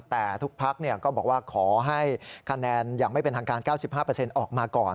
แต่ทุกพรรคก็บอกว่าขอให้คะแนนยังไม่เป็นทางการ๙๕เปอร์เซ็นต์ออกมาก่อน